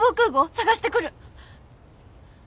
捜してくる。